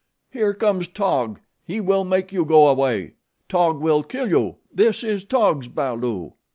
"Here comes Taug. He will make you go away. Taug will kill you. This is Taug's balu."